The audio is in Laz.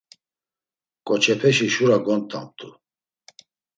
Ǩoçepeşi şura gont̆amt̆u.